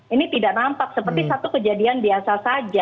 ini tidak nampak seperti satu kejadian biasa saja